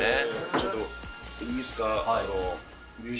ちょっといいですか。